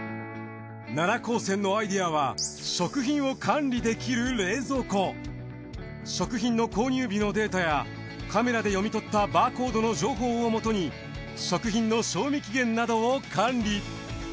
奈良高専のアイデアは食品の購入日のデータやカメラで読み取ったバーコードの情報をもとに食品の賞味期限などを管理。